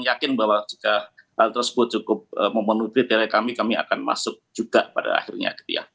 yakin bahwa jika hal tersebut cukup memenuhi kriteria kami kami akan masuk juga pada akhirnya